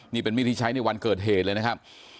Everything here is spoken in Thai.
นี่เป็นมีดที่ใช้ในวันเกิดเหตุเลยนะครับ